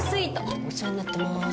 お世話になってます。